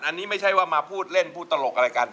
อันนี้ไม่ใช่ว่ามาพูดเล่นพูดตลกอะไรกัน